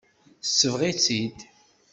Tesbeɣ-itt-id.